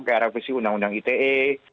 ke revisi undang undang ite